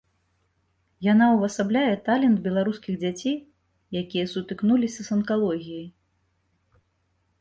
Яна ўвасабляе талент беларускіх дзяцей, якія сутыкнуліся з анкалогіяй.